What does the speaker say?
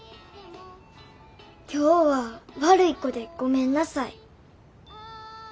今日は悪い子でごめんなさい。